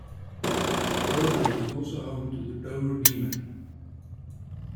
Dover is also home to the Dover Demon.